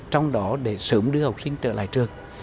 trong đó để sớm đưa học sinh trở lại trường